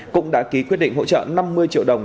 cũng đã ký quyết định hỗ trợ năm mươi triệu đồng